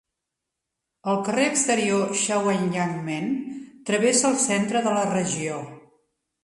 El carrer exterior Chaoyangmen travessa el centre de la regió.